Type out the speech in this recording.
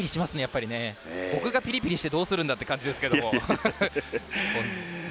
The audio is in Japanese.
僕が、ピリピリしてどうするんだっていう感じですけどね。